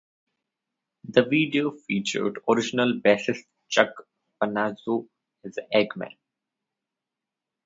The video featured original bassist Chuck Panozzo as the "eggman".